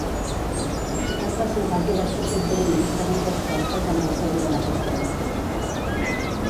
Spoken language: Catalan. T'han presentat diversos suggeriments segons els quals el canal s'hauria de restaurar.